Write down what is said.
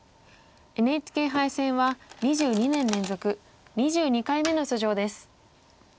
ＮＨＫ杯戦は２２年連続２２回目の出場です。